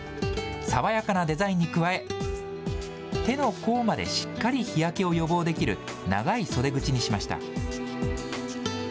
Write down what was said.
爽やかなデザインに加え、手の甲までしっかり日焼けを予防できる長い袖口にしました。